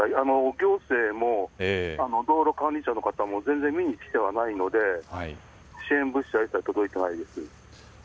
行政も道路管理者も全然、見に来てないので支援物資は一切届いていないです。